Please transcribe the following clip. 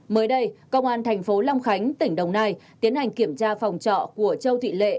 mới đây công an thành phố long khánh tỉnh đồng nai tiến hành kiểm tra phòng trọ của châu thị lệ